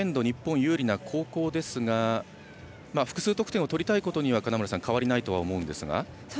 日本は有利な後攻ですが複数得点を取りたいことには金村さん変わりないと思いますが。